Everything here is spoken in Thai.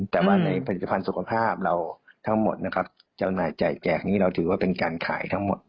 แต่ว่าในผลิตภัณฑ์สุขภาพเราทั้งหมดนะครับจำหน่ายจ่ายแจกนี้เราถือว่าเป็นการขายทั้งหมด